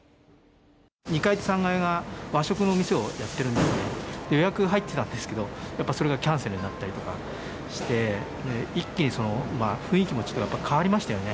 ２階と３階が和食の店をやってるんですけど、予約入ってたんですけど、やっぱりそれがキャンセルになったりとかして、一気に雰囲気も変わりましたよね。